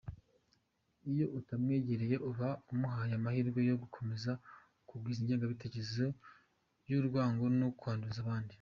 Iyo utamwegereye uba umuhaye amahirwe yo gukomeza gukwiza ingengabitekerezo y’urwango no kwanduza abandi.